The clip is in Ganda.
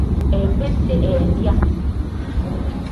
Empisi endya.